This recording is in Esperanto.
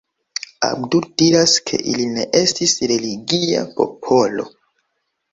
Abdul diras ke ili ne estis religia popolo.